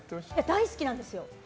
大好きなんですよ。